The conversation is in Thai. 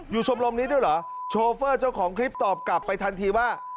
ชมรมนี้ด้วยเหรอโชเฟอร์เจ้าของคลิปตอบกลับไปทันทีว่า